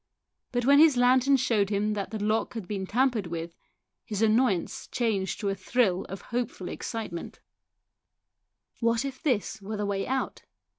But when his lantern showed him that the lock had been tampered with, his annoyance changed to a thrill of hopeful excitement. 188 THE SOUL OF A POLICEMAN What if this were the way out?